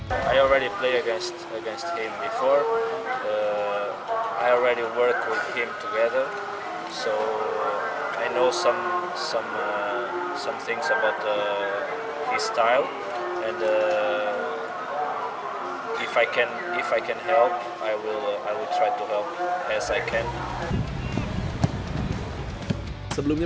pertandingan sabtu ini zee valente menegaskan bahwa di laga tersebut ia bukan akibatnya